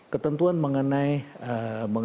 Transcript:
ketentuan mengenai tata ruang